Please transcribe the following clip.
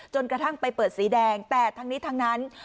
กระทั่งไปเปิดสีแดงแต่ทั้งนี้ทั้งนั้น